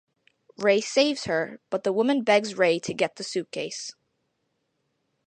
Ray saves her, but the woman begs Ray to get the suitcase.